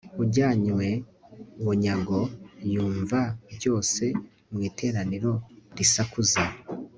ujyanywe bunyago, yumva byose mu iteraniro risakuza